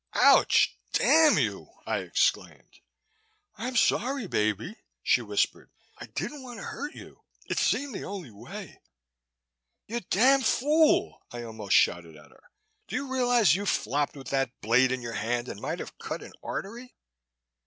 "Ouch! Damn you!" I exclaimed. "I'm sorry, baby," she whispered. "I didn't want to hurt you. It seemed the only way " "You damned fool," I almost shouted at her. "Do you realize you flopped with that blade in your hand and might have cut an artery?"